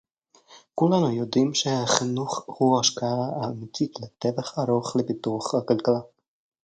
כולנו יודעים שהחינוך הוא ההשקעה האמיתית לטווח ארוך לפיתוח הכלכלה